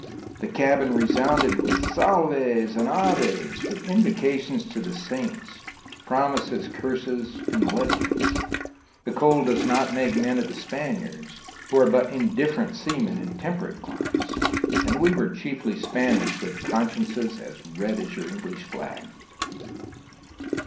The cabin resounded with Salves and Aves, with invocations to the saints, promises, curses, and litanies. The cold does not make men of the Spaniards, who are but indifferent seamen in temperate climes, and we were chiefly Spanish with consciences as red as your English flag."